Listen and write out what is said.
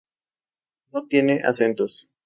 No tiene acentos.